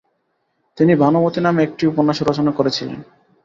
তিনি ভানুমতী নামে একটি উপন্যাসও রচনা করেছিলেন।